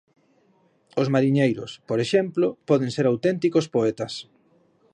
Os mariñeiros, por exemplo, poden ser auténticos poetas.